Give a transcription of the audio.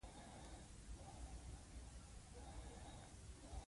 مشوره در کوو همدارنګه لیکنو ته دوام ورکړه.